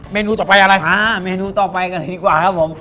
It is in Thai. นูต่อไปอะไรอ่าเมนูต่อไปกันเลยดีกว่าครับผม